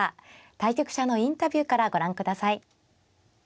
対局者のインタビューからご覧ください。